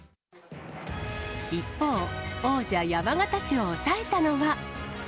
一方、王者、山形市を抑えたのは。